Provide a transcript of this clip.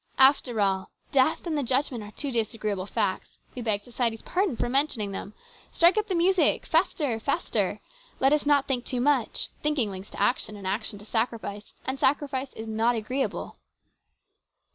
After all, death and the judgment are two disagreeable facts. We beg society's pardon for mentioning them. Strike up the music faster ! faster ! Let us not think too much. Thinking leads to action, and action leads to sacrifice, and sacrifice is not agreeable.